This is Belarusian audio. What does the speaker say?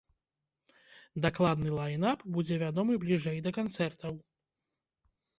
Дакладны лайн-ап будзе вядомы бліжэй да канцэртаў.